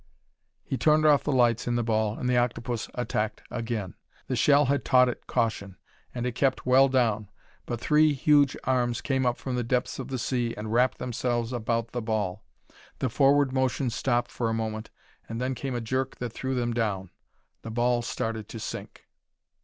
He turned off the lights in the ball and the octopus attacked again. The shell had taught it caution and it kept well down, but three huge arms came up from the depths of the sea and wrapped themselves about the ball. The forward motion stopped for a moment, and then came a jerk that threw them down. The ball started to sink.